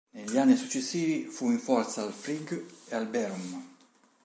Negli anni successivi, fu in forza al Frigg e al Bærum.